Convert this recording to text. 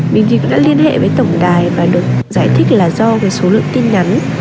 mình thì cũng đã liên hệ với tổng đài và được giải thích là do cái số lượng tin nhắn